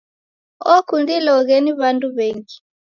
Okundiloghe ni w'andu w'engi.